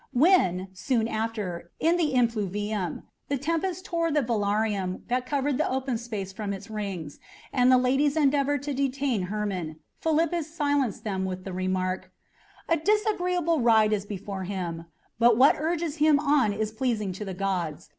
When, soon after, in the impluvium, the tempest tore the velarium that covered the open space from its rings, and the ladies endeavoured to detain Hermon, Philippus silenced them with the remark: "A disagreeable ride is before him, but what urges him on is pleasing to the gods.